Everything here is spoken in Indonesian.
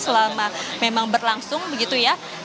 selama memang berlangsung begitu ya